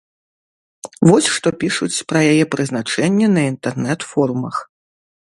Вось што пішуць пра яе прызначэнне на інтэрнэт-форумах.